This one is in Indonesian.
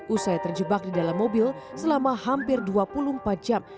usai terjebak di dalam mobil selama hampir dua puluh empat jam